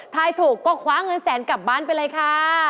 ถ้าถูกก็คว้าเงินแสนกลับบ้านไปเลยค่ะ